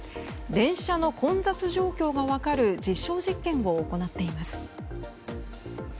電車の混雑状況が分かる実証実験を行っています。